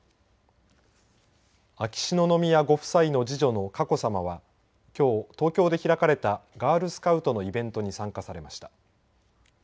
秋篠宮ご夫妻の次女の佳子さまはきょう、東京で開かれたガールスカウトのイベントに参加されました。